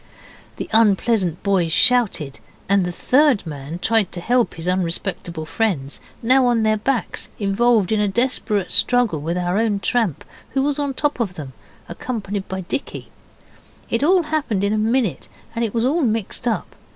The unpleasant boys shouted, and the third man tried to help his unrespectable friends, now on their backs involved in a desperate struggle with our own tramp, who was on top of them, accompanied by Dicky. It all happened in a minute, and it was all mixed up.